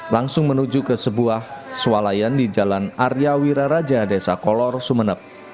langsung menuju ke sebuah sualayan di jalan arya wiraraja desa kolor sumeneb